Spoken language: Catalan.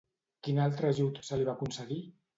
Quin altre ajut se li va concedir?